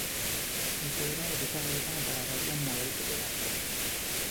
Igoera elikagaietan eta garraioan nabarituko da gehien.